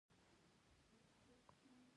د کابل سیند د افغان کلتور سره تړاو لري.